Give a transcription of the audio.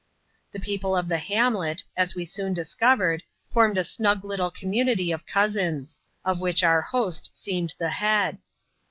The people of the hamlet, as we soon discovered, formed a snug little community of cousins ; of which our host seemed the head.